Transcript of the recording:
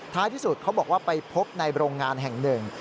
ที่สุดเขาบอกว่าไปพบในโรงงานแห่งหนึ่ง